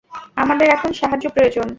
আমাদের এখন সাহায্য প্রয়োজন।